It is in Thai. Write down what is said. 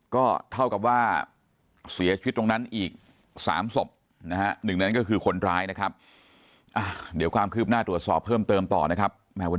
ก็เท่ากับว่าเสียชีวิตตรงนั้นอีก๓ศพนะฮะหนึ่งนั้นก็คือคนร้ายนะครับเดี๋ยวความคืบหน้าตรวจสอบเพิ่มเติมต่อนะครับ